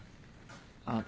あっ。